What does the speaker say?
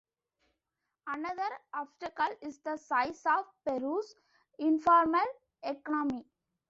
Another obstacle is the size of Peru's informal economy.